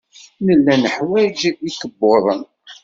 Nella neḥwaj ikebbuḍen.